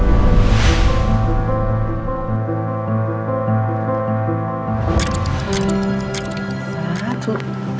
สาธุ